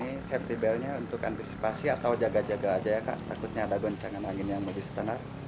ini safety belt nya untuk antisipasi atau jaga jaga aja ya kak takutnya ada goncangan angin yang lebih standar